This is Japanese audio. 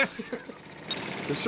よっしゃ！